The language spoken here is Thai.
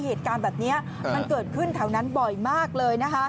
เหตุการณ์แบบนี้มันเกิดขึ้นแถวนั้นบ่อยมากเลยนะคะ